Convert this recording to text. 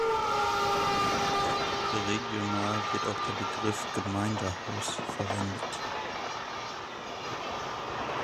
Regional wird auch der Begriff "Gemeindehaus" verwendet.